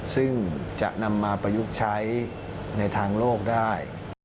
ซึ่งจะนำมาประยุกต์ใช้ในทางโลกได้